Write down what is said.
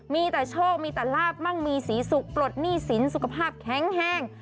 มีแต่โชคมีแต่ลาบมั่งมีศรีสุขปลดหนี้สินสุขภาพแข็งแห้ง